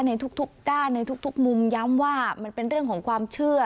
ในทุกด้านในทุกมุมย้ำว่ามันเป็นเรื่องของความเชื่อ